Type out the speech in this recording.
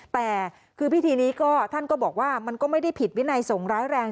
แต่คือพิธีนี้ก็ท่านก็บอกว่ามันก็ไม่ได้ผิดวินัยสงฆ์ร้ายแรง